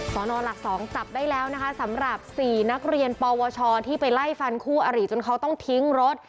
สนหลัก๒จับได้แล้วนะคะสำหรับ๔นักเรียนปวชที่ไปไล่ฟันคู่อริจนเขาต้องทิ้งรถ